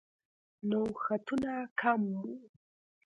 نوښتونه کم وو.